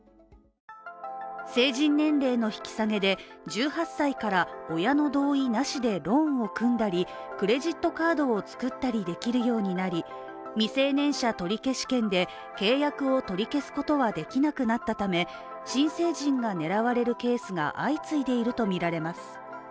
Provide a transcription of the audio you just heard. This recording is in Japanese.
成人年齢の引き下げで、１８歳から親の同意なしでローンを組んだり、クレジットカードを作ったりできるようになり未成年者取消権で契約を取り消すことはできなくなったため、新成人が狙われるケースが相次いでいるとみられます。